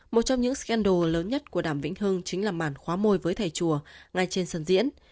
một trong những skendall lớn nhất của đàm vĩnh hưng chính là màn khóa môi với thầy chùa ngay trên sân diễn